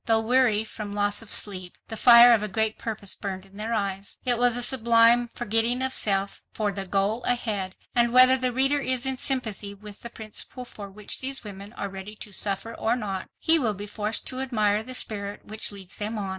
Though weary from loss of sleep, the fire of a great purpose burned in their eyes .... "It was a sublime forgetting of self for the goal ahead, and whether the reader is in sympathy with the principle for which these women are ready to suffer or not, he will be forced to admire the spirit which leads them on."